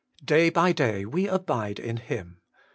Day by day we abide in Him.